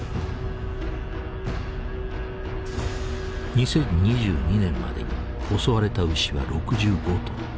２０２２年までに襲われた牛は６５頭。